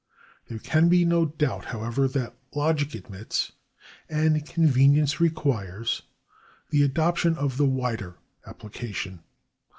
There can be no doubt, however, that logic admits, and convenience requires, the adoption of the wider appUcation.